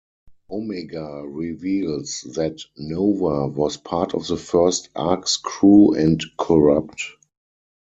Omega reveals that Nova was part of the first Ark's crew and corrupt.